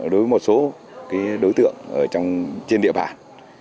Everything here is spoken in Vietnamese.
đối với một số cái đối tượng ở trong trên địa bàn